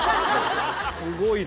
すごいな。